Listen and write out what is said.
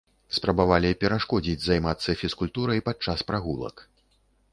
Спрабавалі перашкодзіць займацца фізкультурай падчас прагулак.